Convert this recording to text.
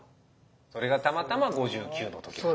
それがたまたま５９の時だったと。